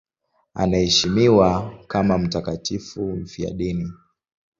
Anaheshimiwa kama mtakatifu mfiadini.